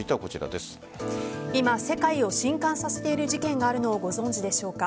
今、世界を震撼させている事件があるのをご存じでしょうか。